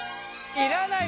いらない